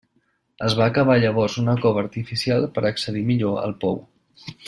Es va cavar llavors una cova artificial per accedir millor al pou.